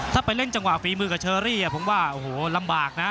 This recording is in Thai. ถ้าไปเล่นจังหวะฝีมือกับเชอรี่ผมว่าโอ้โหลำบากนะ